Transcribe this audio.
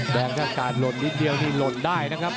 แดงก็การลดนิดเดียวเนี่ยลดได้นะครับ